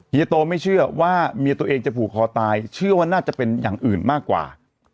เฮีโตไม่เชื่อว่าเมียตัวเองจะผูกคอตายเชื่อว่าน่าจะเป็นอย่างอื่นมากกว่า